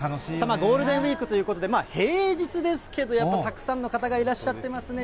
ゴールデンウィークということで、平日ですけど、やっぱりたくさんの方がいらっしゃってますね。